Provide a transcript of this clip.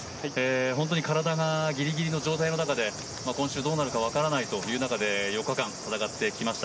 本当に体がギリギリの状態の中で今週どうなるか分からないという中で、４日間戦ってきました。